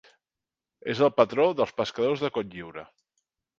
És el patró dels pescadors de Cotlliure.